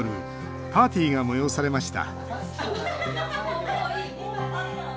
パーティーが催されました。